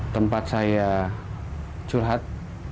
tempat saya curhat